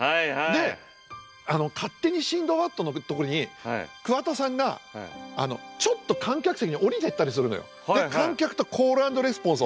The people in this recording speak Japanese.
で「勝手にシンドバッド」の時に桑田さんがちょっと観客席に下りてったりするのよ。で観客とコール＆レスポンスをする。